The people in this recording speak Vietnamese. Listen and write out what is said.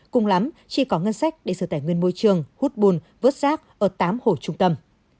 cùng lắm chỉ có ngân sách để sở tài nguyên môi trường hút bùn vớt rác ở tám hồ trung tâm